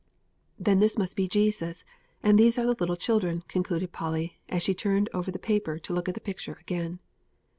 "Then this must be Jesus, and these are the little children," concluded Polly, as she turned over the paper to look at the picture again.